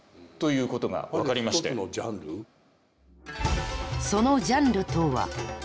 そのジャンルとは。